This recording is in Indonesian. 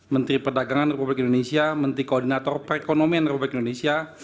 menteri perdagangan republik indonesia menteri koordinator perekonomian republik indonesia